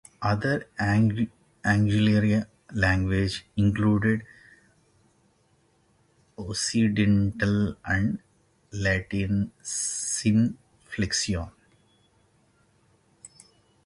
Other auxiliary languages include Occidental and Latino Sine Flexione.